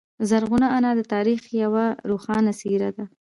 زرغونه انا د تاریخ یوه روښانه څیره ده.